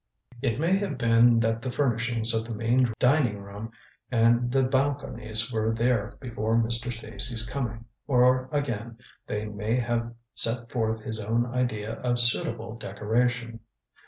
It may have been that the furnishings of the main dining room and the balconies were there before Mr. Stacy's coming, or again they may have set forth his own idea of suitable decoration.